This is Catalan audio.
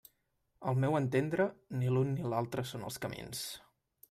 Al meu entendre, ni l'un ni l'altre són els camins.